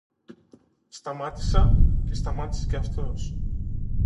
Σταμάτησα και σταμάτησε και αυτός